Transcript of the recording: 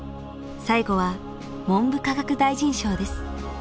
最後は文部科学大臣賞です。